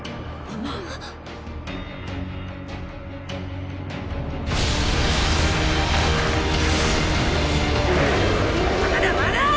まだまだァ！